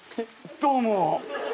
どうも。